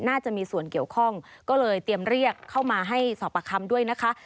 น่าจะมีส่วนเกี่ยวข้องก็เลยเตรียมเรียกเข้ามาให้สอบประคำด้วยนะคะ